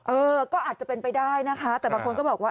เออก็อาจจะเป็นไปได้นะคะแต่บางคนก็บอกว่า